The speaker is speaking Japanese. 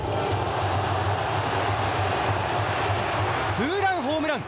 ツーランホームラン！